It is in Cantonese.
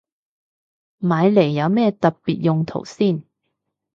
買嚟有咩特別用途先